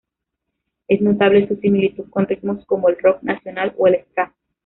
Es notable su similitud con ritmos como el rock nacional o el ska.